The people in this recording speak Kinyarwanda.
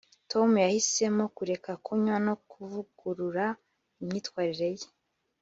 tom yahisemo kureka kunywa no kuvugurura imyitwarire ye